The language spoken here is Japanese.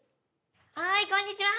はいこんにちは。